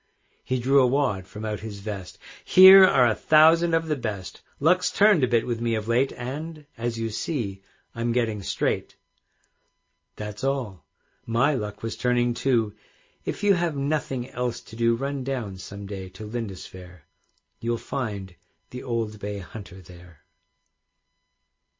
He drew a wad from out his vest, "Here are a thousand of the best; Luck's turned a bit with me of late, And, as you see, I'm getting straight." That's all. My luck was turning too; If you have nothing else to do, Run down some day to Lindisfaire, You'll find the old bay hunter there.